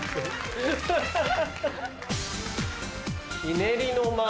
「ひねりの間」。